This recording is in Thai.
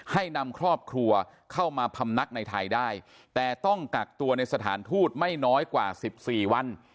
ให้นำครอบครัวเข้ามาพำนักในไทยได้แต่ต้องกักตัวในสถานทูตไม่น้อยกว่า๑๔วัน